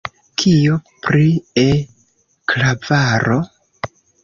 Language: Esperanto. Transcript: Kio pri E-klavaro?